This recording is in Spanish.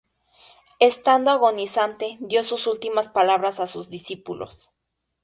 Estando agonizante, dio sus últimas palabras a sus discípulos.